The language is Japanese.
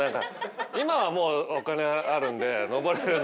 今はもうお金あるんで上れるんで。